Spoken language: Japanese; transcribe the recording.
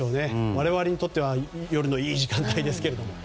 我々にとっては夜のいい時間帯ですけど。